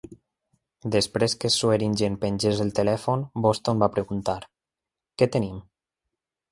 Després que Swearingen pengés el telèfon, Boston va preguntar: "Què tenim?"